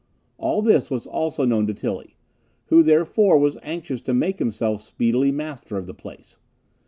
All this was also known to Tilly, who, therefore, was anxious to make himself speedily master of the place.